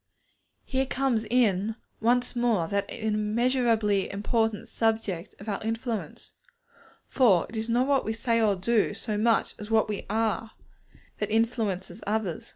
Here comes in once more that immeasurably important subject of our influence. For it is not what we say or do, so much as what we are, that influences others.